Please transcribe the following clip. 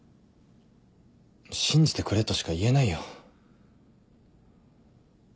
信じてくれとしか言えないよ。